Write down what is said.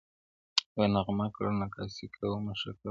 یو نغمه ګره نقاسي کوومه ښه کوومه,